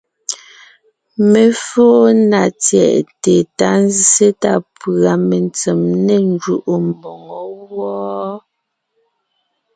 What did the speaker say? Mé fóo na tsyɛ̀ʼte ta zsé ta pʉ̀a metsem ne njúʼu mboŋó wɔ́,